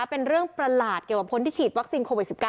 เป็นเรื่องประหลาดเกี่ยวกับคนที่ฉีดวัคซีนโควิด๑๙